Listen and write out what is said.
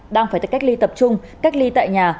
đang phải tự cách ly tập trung cách ly tại nhà